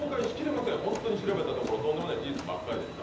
ホントに調べたところとんでもない事実ばっかりでした。